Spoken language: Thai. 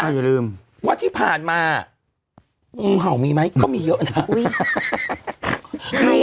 ก็อย่าลืมว่าที่ผ่านมาห่าวมีไหมก็มีเยอะน่ะอุ้ย